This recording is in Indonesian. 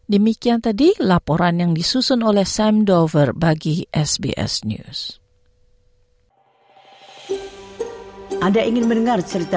demikian tadi laporan yang disusun oleh samdover bagi sbs news